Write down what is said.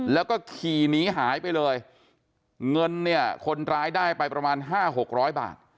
แล้วก็ขี่หนีหายไปเลยเงินเนี่ยคนร้ายได้ไปประมาณห้าหกร้อยบาท